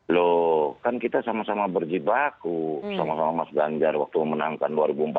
loh kan kita sama sama berjibaku sama sama mas ganjar waktu menangkan dua ribu empat belas dua ribu sembilan belas